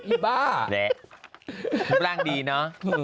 อีบ้าแหละร่างดีเนอะ